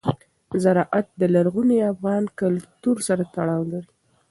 زراعت د لرغوني افغان کلتور سره تړاو لري.